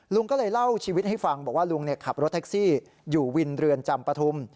ลุงก็เลยเล่าชีวิตให้ฟังบอกว่าลุงขับรถแท็กซี่อยู่วินเรือนจำปฐุม